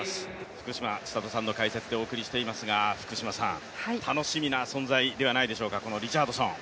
福島千里さんの解説でお送りしていますが、楽しみな存在じゃないでしょうか、このリチャードソン。